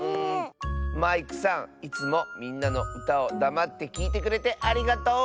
マイクさんいつもみんなのうたをだまってきいてくれてありがとう！